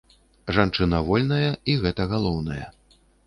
Жанчына вольная, і гэта галоўнае.